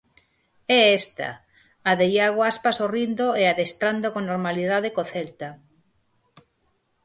É esta, a de Iago Aspas sorrindo e adestrando con normalidade co Celta.